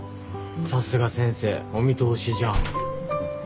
さすが先生お見通しじゃん。